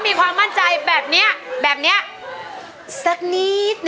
มีความมั่นใจแบบนี้